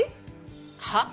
はっ？